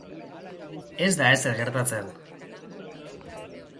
Ez da ezer gertatzen.